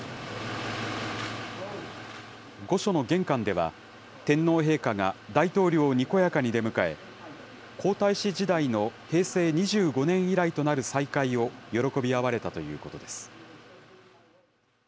御所の玄関では、天皇陛下が大統領をにこやかに出迎え、皇太子時代の平成２５年以来となる再会を喜び合われたということです。